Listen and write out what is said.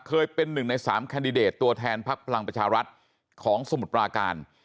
เคยเป็นหนึ่งใน๓แคนดิเดตตัวแทนพักพลังประชารัฐของสมุทรปราการ